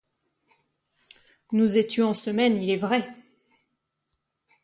Nous étions en semaine, il est vrai.